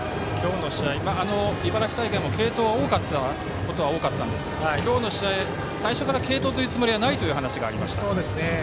茨城大会も継投が多かったことは多かったんですが今日の試合、最初から継投というつもりはないという話がありました。